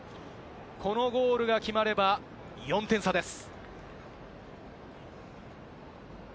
このゴールが決まれば４点差です。